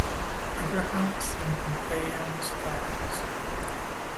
Abrahams in Pompeian Styles.